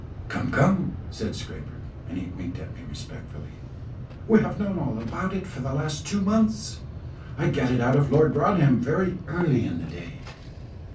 "Come, come," said Scraper, and he winked at me respectfully; "we have known all about it for the last two months. I got it out of Lord Broadhem very early in the day."